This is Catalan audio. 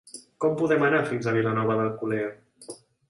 Com podem anar fins a Vilanova d'Alcolea?